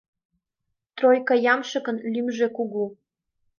Тройка ямшыкын лӱмжӧ кугу